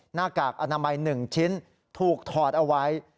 หน้ากากอนามัย๑ชิ้นถูกถอดเอาไว้